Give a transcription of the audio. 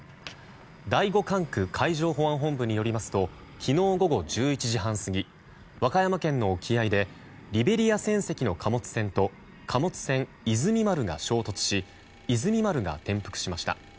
第５管区海上保安本部によりますと昨日午後１１時半過ぎ和歌山県の沖合でリベリア船籍の貨物船と貨物船「いずみ丸」が衝突し「いずみ丸」が転覆しました。